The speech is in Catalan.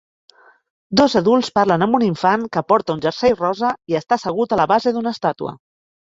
Dos adults parlen amb un infant que porta un jersei rosa i està assegut a la base d'una estàtua.